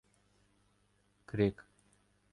крик.